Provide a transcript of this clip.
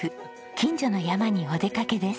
近所の山にお出かけです。